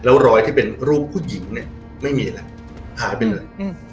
แล้วรอยที่เป็นรูปผู้หญิงเนี่ยไม่มีแล้วหายไปเลย